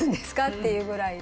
っていうぐらい。